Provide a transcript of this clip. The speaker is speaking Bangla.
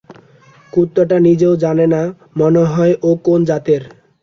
কুত্তাটা নিজেও জানে না মনেহয় ও কোন জাতের।